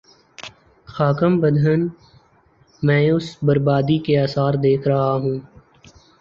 خاکم بدہن، میں اس بر بادی کے آثار دیکھ رہا ہوں۔